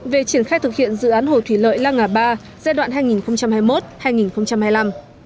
về triển khai thực hiện dự án hồ thủy lợi la ngà ba giai đoạn hai nghìn hai mươi một hai nghìn hai mươi năm